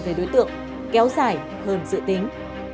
về đối tượng kéo dài hơn dự tính